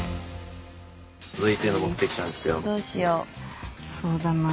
続いての目的地なんですけど。